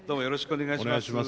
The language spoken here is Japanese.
お願いします。